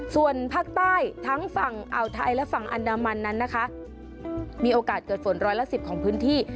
ส่วนภาคใต้ทั้งฝั่งอ่าวไทยและฝั่งอันดามันนั้นนะคะมีโอกาสเกิดฝนร้อยละสิบของพื้นที่